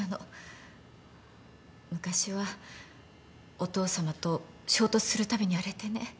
昔はお父さまと衝突するたびに荒れてね。